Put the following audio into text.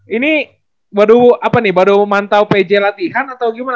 ini baru apa nih baru memantau pj latihan atau gimana